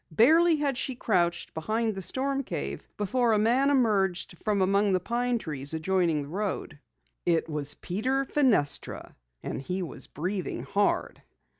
Barely had she crouched behind the storm cave before a man emerged from among the pine trees adjoining the road. It was Peter Fenestra and he was breathing hard.